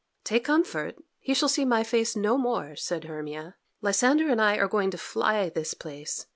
"Take comfort; he shall see my face no more," said Hermia. "Lysander and I are going to fly this place.